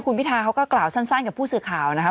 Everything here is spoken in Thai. คุณพิทาเขาก็กล่าวสั้นกับผู้สื่อข่าวนะคะ